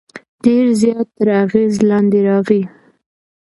ډېر زیات تر اغېز لاندې راغی.